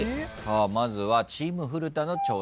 まずはチーム古田の挑戦です。